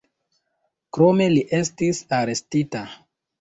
Krome li estis arestita.